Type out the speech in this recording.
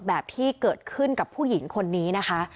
แบบที่เกิดขึ้นกับผู้หญิงคนนี้นะคะ